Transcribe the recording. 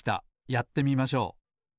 やってみましょう。